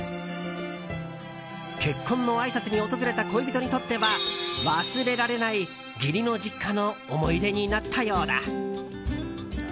結婚のあいさつに訪れた恋人にとっては忘れられない義理の実家の思い出になったようだ。